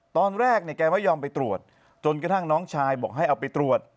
ตอนแรกเนี่ยแกไม่ยอมไปตรวจจนกระทั่งน้องชายบอกให้เอาไปตรวจ